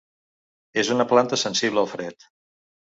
És una planta sensible al fred.